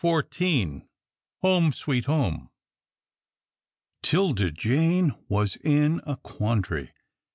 CHAPTER XIV. HOME, SWEET HOME. 'Tilda Jane was in a quandary.